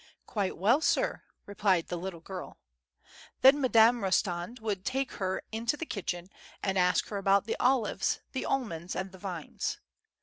" Quite well, sir," replied the little girl. Then Madame Rostand would take her into the kitchen and ask her about the olives, the almonds and the vines.